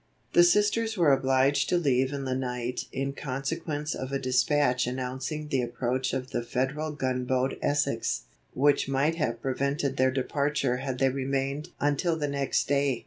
The Sisters were obliged to leave in the night in consequence of a dispatch announcing the approach of the Federal gun boat Essex, which might have prevented their departure had they remained until the next day.